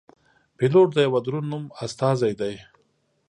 پیلوټ د یوه دروند نوم استازی دی.